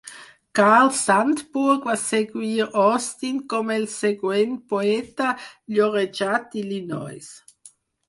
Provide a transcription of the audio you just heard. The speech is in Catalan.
Carl Sandburg va seguir Austin com el següent poeta llorejat d"Illinois.